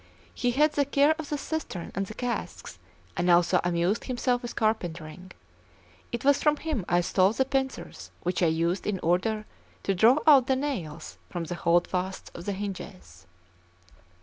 He had the care of the cistern and the casks, and also amused himself with carpentering; it was from him I stole the pincers which I used in order to draw out the nails from the holdfasts of the hinges.